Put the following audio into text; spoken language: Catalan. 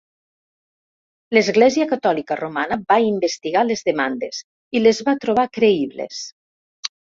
L'Església Catòlica Romana va investigar les demandes i les va trobar creïbles.